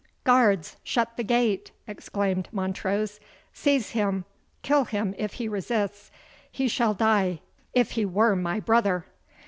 "Guards, shut the gate!" exclaimed Montrose "Seize him kill him, if he resists! He shall die, if he were my brother!"